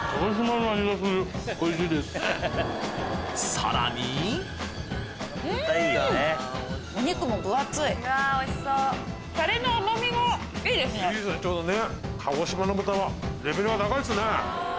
さらにいいですねちょうどね。